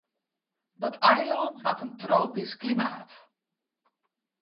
Dat eilân hat in tropysk klimaat.